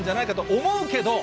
思うけど。